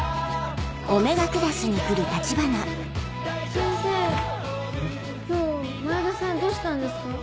先生今日前田さんどうしたんですか？